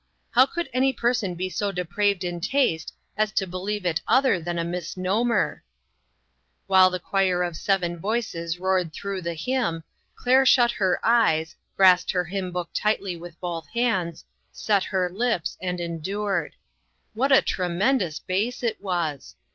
How could any person be so depraved in taste as to believe it other than a mis nomer 1 While the choir of seven voices roared through the hymn, Claire shut her eyes, grasped her hymn book tightly with both hands, set her lips, and endured. What a tremendous bass it was